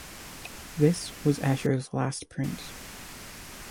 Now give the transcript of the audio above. This was Escher's last print.